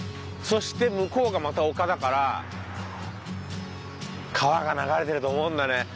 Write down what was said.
そして向こうがまた丘だから川が流れてると思うんだよね。